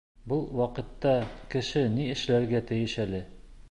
Был ваҡытта кеше ни эшләргә тейеш әле?